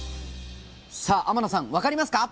さあ天野さん分かりますか？